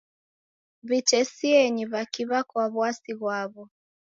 W'itesienyi w'akiw'a kwa w'asi ghwaw'o.